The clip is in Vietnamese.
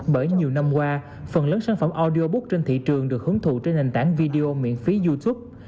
bởi nhiều năm qua phần lớn sản phẩm audio book trên thị trường được hướng thụ trên nền tảng video miễn phí youtube